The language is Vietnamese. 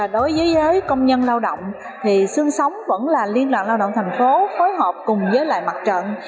đối với công nhân lao động thì sương sống vẫn là liên đoàn lao động thành phố phối hợp cùng với lại mặt trận